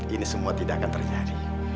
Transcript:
ini semua tidak akan terjadi